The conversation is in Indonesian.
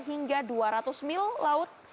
hingga dua ratus mil laut